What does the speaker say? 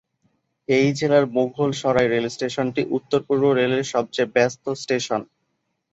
এই জেলার মুঘল সরাই রেল স্টেশনটি উত্তর-পূর্ব রেলের সবচেয়ে ব্যস্ত স্টেশন।